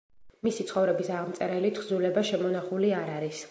მისი ცხოვრების აღმწერელი თხზულება შემონახული არ არის.